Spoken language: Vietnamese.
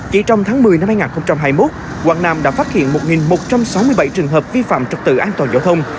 chỉ trong tháng một mươi năm hai nghìn hai mươi một quảng nam đã phát hiện một một trăm sáu mươi bảy trường hợp vi phạm trật tự an toàn giao thông